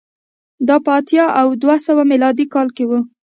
دا په اتیا او دوه سوه میلادي کال کې و